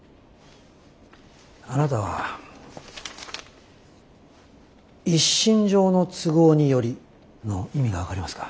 あなたは「一身上の都合により」の意味が分かりますか？